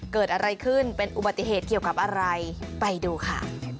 เกิดอะไรขึ้นเป็นอุบัติเหตุเกี่ยวกับอะไรไปดูค่ะ